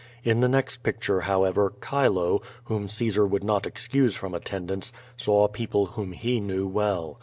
In the next picture, however, Chilo, whom Caesar would not excuse from attendance, saw {)eopIe whom he knew well.